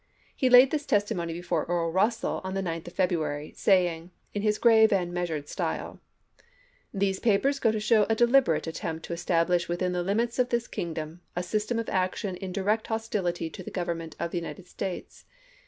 He laid this testimony before Earl Russell on the 9th of February, saying, in his grave and measured style: "These papers go to show a deliberate attempt to establish within the limits of this king dom a system of action in direct hostility to the Government of the United States.